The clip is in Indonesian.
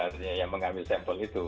artinya yang mengambil sampel itu